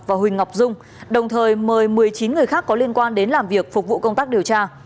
và huỳnh ngọc dung đồng thời mời một mươi chín người khác có liên quan đến làm việc phục vụ công tác điều tra